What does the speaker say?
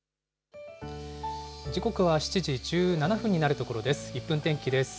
時刻は７時１７分になるところです。